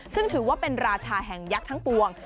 ซึ่งถือว่าเป็นราชาแห่งยักษ์ทั้งปวง